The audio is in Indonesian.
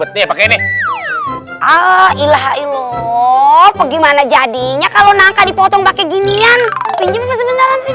oh ilahailoh bagaimana jadinya kalau nangka dipotong pakai ginian pinjem